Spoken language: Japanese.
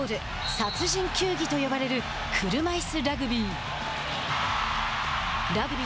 殺人球技と呼ばれる車いすラグビー。